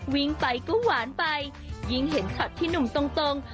วิ่งไปก็หวานไปยิ่งเห็นช็อตที่หนุ่มตรง